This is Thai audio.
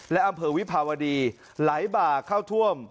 และอำเภอวิภาวดีไหลบ่าเข้าท่วม